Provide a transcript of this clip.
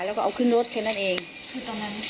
แล้วก็ช่วยกันนำนายธีรวรรษส่งโรงพยาบาล